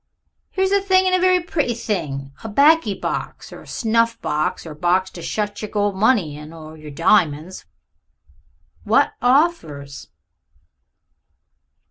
"Here's a thing and a very pretty thing, a baccy box, or a snuff box, or a box to shut yer gold money in, or yer diamonds. What offers?"